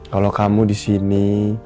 kalau kamu di sini